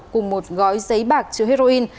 cùng một gói giấy bạc chứa heroin